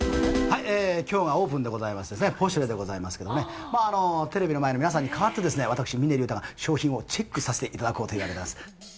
きょうはオープンでございまして、ポシュレでございますけれどもね、テレビの前の皆さんに代わってですね、私、峰竜太が商品をチェックさせていただこうというわけでございます。